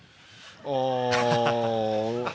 ああ。